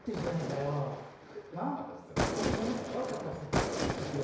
ホントごめん悪かったって。